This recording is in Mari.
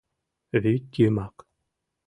Вӱд йымак.